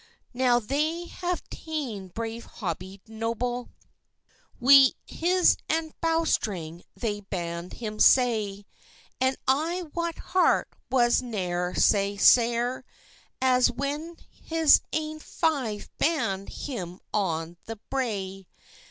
Now they have tane brave Hobie Noble, Wi' his ain bowstring they band him sae; And I wat heart was ne'er sae sair, As when his ain five band him on the brae.